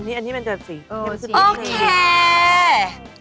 อันนี้เป็นเติมสีโอเค